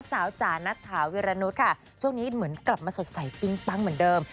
จ๋านัทถาวิรนุษย์ค่ะช่วงนี้เหมือนกลับมาสดใสปิ๊งปั๊งเหมือนเดิม